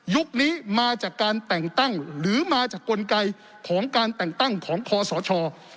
นี้มาจากการแต่งตั้งหรือมาจากกลไกของการแต่งตั้งของคอสช